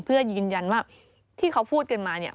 เพื่อยืนยันว่าที่เขาพูดกันมาเนี่ย